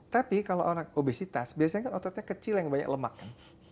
tapi kalau orang obesitas biasanya kan ototnya kecil yang banyak lemak kan